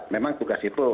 memang tugas itu